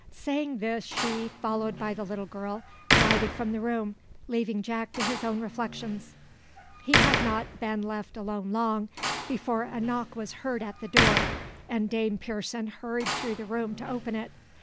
Saying this, she, followed by the little girl, glided from the room, leaving Jack to his own reflections. He had not been left alone long before a knock was heard at the door, and Dame Pearson hurried through the room to open it.